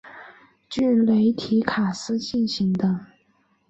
据雷提卡斯进行的。